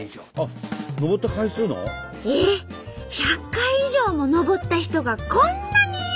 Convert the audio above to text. １００回以上も登った人がこんなにいるの？